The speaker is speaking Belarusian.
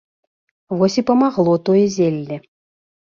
Вось і памагло тое зелле!